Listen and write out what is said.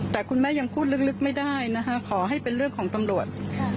แต่คุณแม่ยังพูดลึกไม่ได้นะคะขอให้เป็นเรื่องของตำรวจ